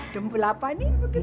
dempul apa nih